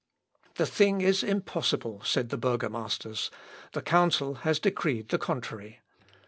"The thing is impossible," said the burgomasters; "the Council has decreed the contrary."